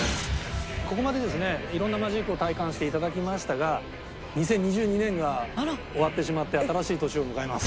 ここまでですねいろんなマジックを体感していただきましたが２０２２年が終わってしまって新しい年を迎えます。